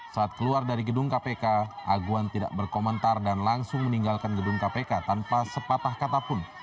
saat keluar dari gedung kpk aguan tidak berkomentar dan langsung meninggalkan gedung kpk tanpa sepatah katapun